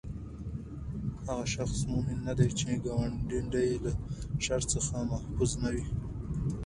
هغه شخص مؤمن نه دی، چې ګاونډی ئي له شر څخه محفوظ نه وي